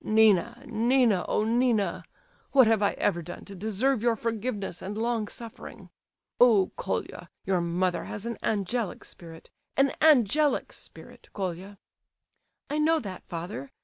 Nina, Nina, oh, Nina. What have I ever done to deserve your forgiveness and long suffering? Oh, Colia, your mother has an angelic spirit, an angelic spirit, Colia!" "I know that, father.